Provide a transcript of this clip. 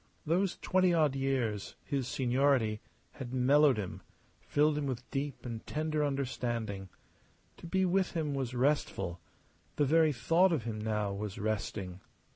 Those twenty odd years his seniority had mellowed him, filled him with deep and tender understanding. To be with him was restful; the very thought of him now was resting.